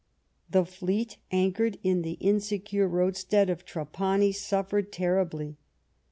The fleet, anchored in the insecure roadstead of Trapani, suffered terribly.